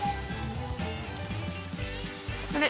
あれ？